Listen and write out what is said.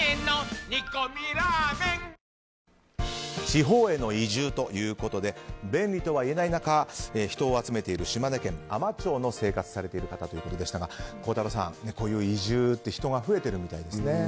地方への移住ということで便利とはいえない中人を集めている島根県海士町で生活されているという方でしたが孝太郎さん、こういう移住って人が増えてるみたいですね。